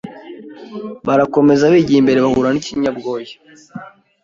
Barakomeza bigiye imbere bahura n'ikinyabwoya